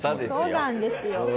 そうなんですよ。